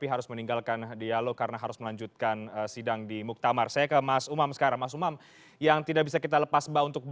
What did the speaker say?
kami akan segera kembali sesat